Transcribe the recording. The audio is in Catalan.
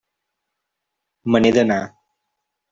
Me n'he d'anar.